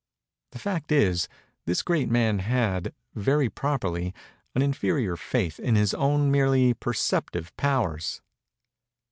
The fact is, this great man had, very properly, an inferior faith in his own merely perceptive powers.